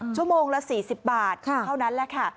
ชั่วโมงละ๔๐บาทเท่านั้นแหละค่ะ